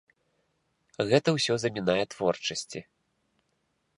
Гэта ўсё замінае творчасці.